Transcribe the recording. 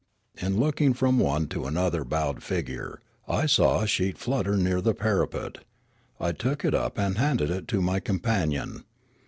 In looking from one to another bowed figure, I saw a sheet flutter near the parapet ; I took it up and handed it to my companion.